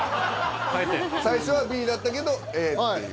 最初はＢだったけどＡっていう。